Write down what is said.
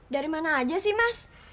dari mana aja sih mas